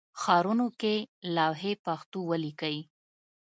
ښارونو کې لوحې پښتو ولیکئ